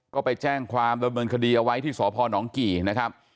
ก็ไปแจ้งความดำเนินคดีเอาไว้ที่สพนกี่นะครับ